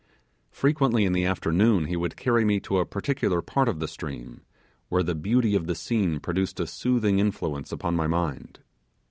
Frequently in the afternoon he would carry me to a particular part of the stream, where the beauty of the scene produced a soothing influence upon my mind.